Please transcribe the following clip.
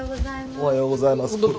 おはようございます。